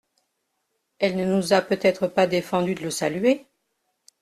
Elle ne nous a peut-être pas défendu de le saluer !